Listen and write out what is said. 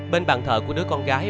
bên bàn thờ của đứa con gái